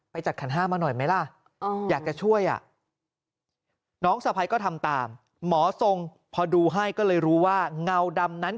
ไปจัดขันห้ามาหน่อยไหมล่ะอยากจะช่วยอ่ะ